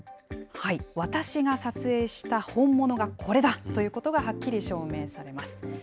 私が撮影した本物がこれだということがはっきり証明されます。